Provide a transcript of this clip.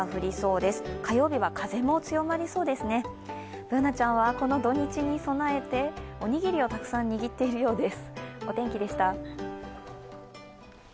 Ｂｏｏｎａちゃんはこの土日に備えておにぎりをたくさん握っているようです。